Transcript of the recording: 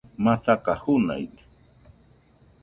masaka junaide